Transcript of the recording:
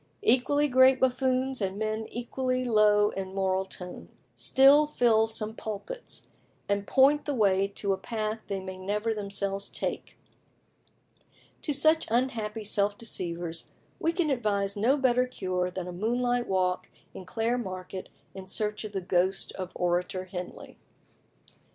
Equally great buffoons, and men equally low in moral tone, still fill some pulpits, and point the way to a path they may never themselves take. To such unhappy self deceivers we can advise no better cure than a moonlight walk in Clare Market in search of the ghost of Orator Henley.